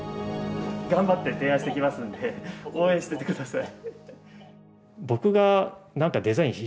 頑張って提案してきますんで応援しててください。